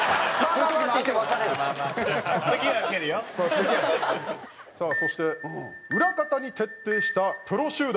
そう「次は」。さあそして裏方に徹底したプロ集団。